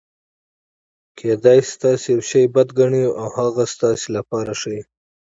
کېدای سي تاسي یوشي بد ګڼى او هغه ستاسي له پاره ښه يي.